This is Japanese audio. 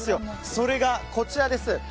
それがこちらです。